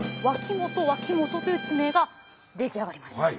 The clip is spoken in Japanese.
本脇本という地名が出来上がりました。